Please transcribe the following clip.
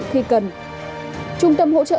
khi cần trung tâm hỗ trợ